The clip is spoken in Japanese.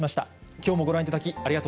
きょうもご覧いただき、ありがと